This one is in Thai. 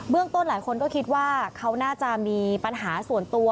ต้นหลายคนก็คิดว่าเขาน่าจะมีปัญหาส่วนตัว